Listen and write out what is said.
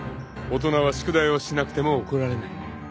［大人は宿題をしなくても怒られない］